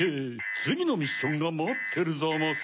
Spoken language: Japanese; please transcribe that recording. つぎのミッションがまってるざます。